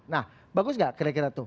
nah bagus gak kira kira tuh